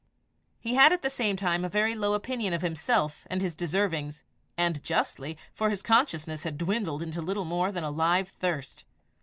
He had at the same time a very low opinion of himself and his deservings, and justly, for his consciousness had dwindled into little more than a live thirst.